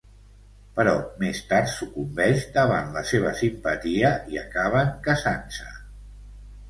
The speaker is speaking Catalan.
Però més tard sucumbeix davant la seva simpatia i acaben casant-se.